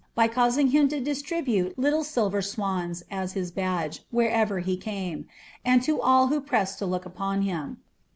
by causing him to distribute Utile silver swans, as his (udge, wherever he cume, and tn u)l wha pressed lo look upon him.